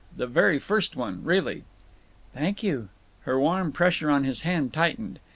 The very first one, really." "Thank you!" Her warm pressure on his hand tightened.